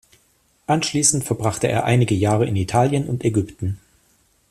Anschließend verbrachte er einige Jahre in Italien und Ägypten.